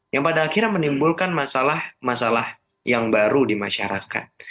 yang pada akhirnya menimbulkan masalah masalah yang baru di masyarakat